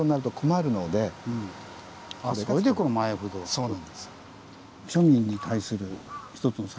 そうなんです。